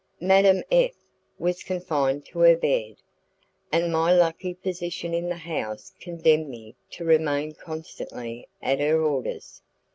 Madame F was confined to her bed, and my lucky position in the house condemned me to remain constantly at her orders.